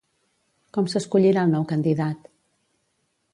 Com s'escollirà el nou candidat?